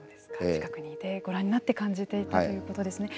近くにいてご覧になって感じていたということですね。